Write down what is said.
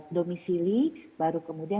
domisili baru kemudian